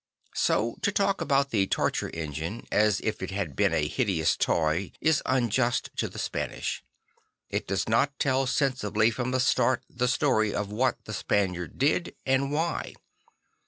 So to talk about the torture engine as if it had been a hideous toy is unjust to the Spanish. It does not tell sensibly from the start the story of what the Spaniard did, and why.